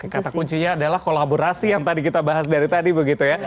kata kuncinya adalah kolaborasi yang tadi kita bahas dari tadi begitu ya